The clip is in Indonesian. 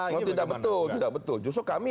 ini bagaimana tidak betul justru kami